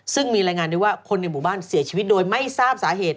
ซึ่งมีรายงานได้ว่าคนในหมู่บ้านเสียชีวิตโดยไม่ทราบสาเหตุ